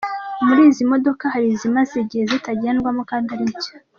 Muri izi modoka hari izimaze igihe zitagendwamo kandi ari nshya.